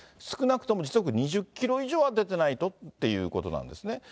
少なくとも時速２０キロ以上は出てないとっていうことなんですね。